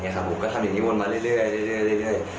ผมก็ทำอย่างนี้วนมาเรื่อย